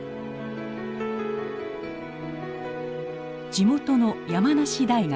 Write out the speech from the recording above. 地元の山梨大学。